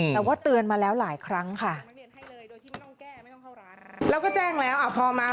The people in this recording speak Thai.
แต่ว่าเตือนมาแล้วหลายครั้งค่ะ